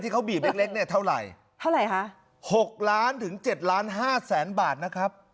เขาบีบเล็กเล็กเนี่ยเท่าไหร่เท่าไหร่คะ๖ล้านถึงเจ็ดล้านห้าแสนบาทนะครับ